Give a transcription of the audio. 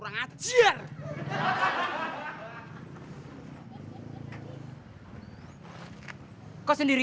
jangan main begini ibu